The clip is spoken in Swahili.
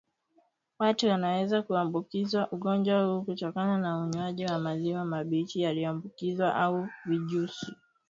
Watu wanaweza kuambukizwa ugonjwa huu kutokana na unywaji wa maziwa mabichi yaliyoambukizwa au vijusi